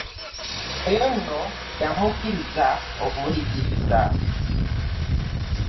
Oyo nno yamukkiriza okumuyigiriza.